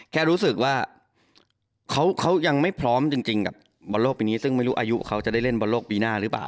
แค่รู้สึกว่าเขายังไม่พร้อมจริงกับบอลโลกปีนี้ซึ่งไม่รู้อายุเขาจะได้เล่นบอลโลกปีหน้าหรือเปล่า